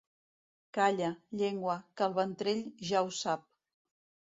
Calla, llengua, que el ventrell ja ho sap.